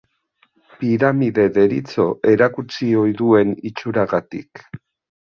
Piramide deritzo erakutsi ohi duen itxuragatik.